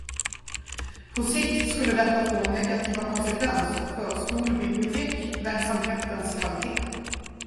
På sikt skulle detta få negativa konsekvenser för skolbiblioteksverksamhetens kvalitet.